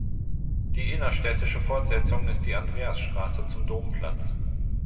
Die innerstädtische Fortsetzung ist die Andreasstraße zum Domplatz.